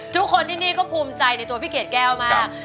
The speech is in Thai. ทุกคนที่นี่ก็ภูมิใจในตัวพี่เกดแก้วมาก